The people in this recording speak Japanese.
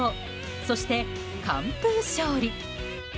そして完封勝利。